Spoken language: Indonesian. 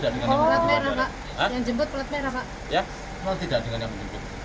kenal tidak dengan yang menjemput